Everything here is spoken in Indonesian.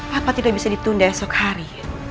apa tidak bisa ditunda esok hari